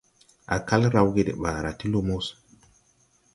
Á kal rawge de ɓaara ti lumo.